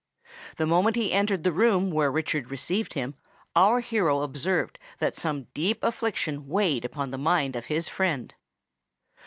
The moment he entered the room where Richard received him, our hero observed that some deep affliction weighed upon the mind of his friend.